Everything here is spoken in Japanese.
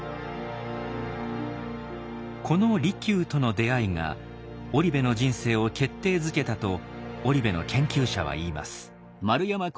この利休との出会いが織部の人生を決定づけたと織部の研究者は言います。